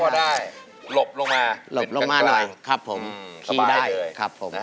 พอได้หลบลงมาหลบลงมาหน่อยครับผมขี่ได้เลยครับผม